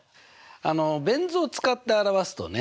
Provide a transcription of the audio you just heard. あのベン図を使って表すとね